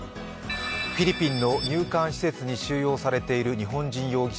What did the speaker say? フィリピンの入管施設に収容されている日本人容疑者